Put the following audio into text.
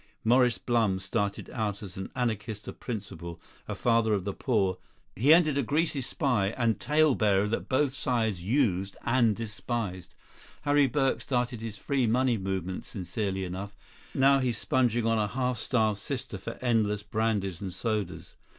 Maurice Blum started out as an anarchist of principle, a father of the poor; he ended a greasy spy and tale bearer that both sides used and despised. Harry Burke started his free money movement sincerely enough; now he's sponging on a half starved sister for endless brandies and sodas.